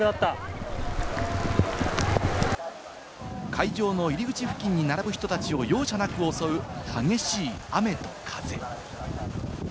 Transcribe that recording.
会場の入り口付近で並ぶ人たちを容赦なく襲う激しい雨と風。